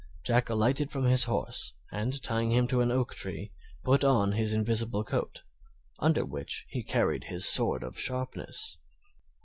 Jack alighted from his horse, and tying him to an oak tree, put on his invisible coat, under which he carried his sword of sharpness.